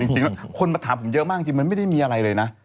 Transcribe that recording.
จริงแล้วคนมาถามผมเยอะมากจริงมันไม่ได้มีอะไรเลยนะ